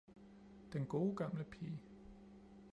den gode gamle pige!